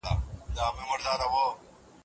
پخوا خلګو د زلزلې په اړه افسانې جوړې کړې.